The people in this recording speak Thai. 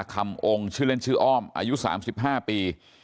คำองค์ชื่อเล่นชื่ออ้อมอายุ๓๕ปี